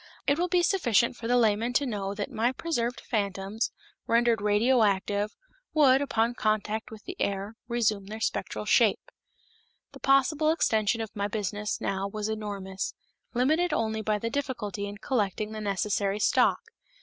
It will be sufficient for the layman to know that my preserved phantoms, rendered radio active, would, upon contact with the air, resume their spectral shape. The possible extension of my business now was enormous, limited only by the difficulty in collecting the necessary stock.